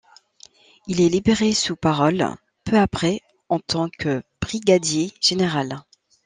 Il est libéré sur parole peu après en tant que brigadier général.